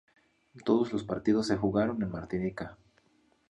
Todos los partidos se jugaron en Martinica.